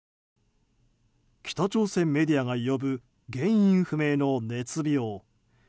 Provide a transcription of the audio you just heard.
北朝鮮メディアが呼ぶ原因不明の熱病。